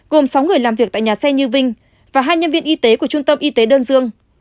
gồm sáu người làm việc tại nhà xe như vinh và hai nhân viên y tế của trung tâm y tế đơn dương